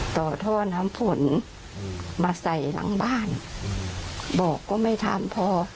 ต่อท่อน้ำฝนมาใส่หลังบ้านบอกก็ไม่ทำพอ